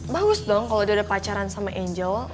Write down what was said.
bagus dong kalo dia udah pacaran sama angel